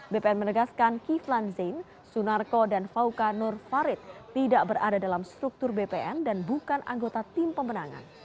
bpn menegaskan kiflan zain sunarko dan fauka nur farid tidak berada dalam struktur bpn dan bukan anggota tim pemenangan